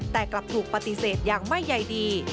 แต่กลับถูกปฏิเสธอย่างไม่ใยดี